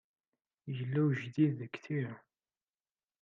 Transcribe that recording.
Yella ujdid deg tira.